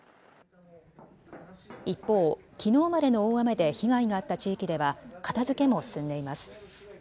一方、きのうまでの大雨で被害があった地域では片づけも進んでいます。